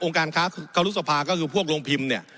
องค์การค้าครับคือพวกโรงพิมพ์เนี่ย